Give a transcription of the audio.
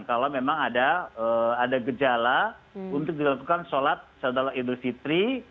kalau memang ada gejala untuk dilakukan sholat idul fitri